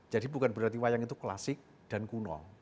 jadi bukan berarti wayang itu klasik dan kuno